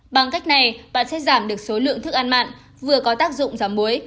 bằng cách này bạn sẽ giảm được số lượng thức ăn mặn vừa có tác dụng giảm muối